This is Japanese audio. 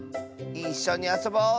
いっしょにあそぼう！